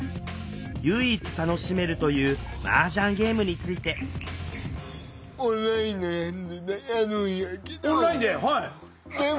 唯一楽しめるというマージャンゲームについてオンラインで！